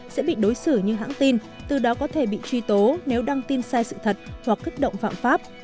sẽ bị đối xử như hãng tin từ đó có thể bị truy tố nếu đăng tin sai sự thật hoặc kích động phạm pháp